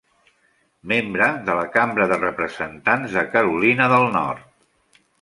Membre de la Cambra de Representants de Carolina del Nord.